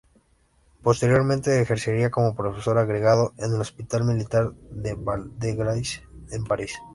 Posteriormente ejercería como profesor agregado en el Hospital Militar de Val-de-Grâce en París.